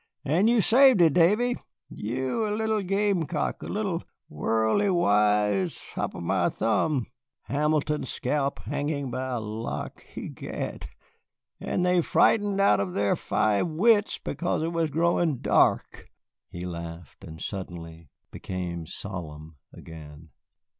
And you saved it, Davy, you, a little gamecock, a little worldly wise hop o' my thumb, eh? Hamilton's scalp hanging by a lock, egad and they frightened out of their five wits because it was growing dark." He laughed, and suddenly became solemn again.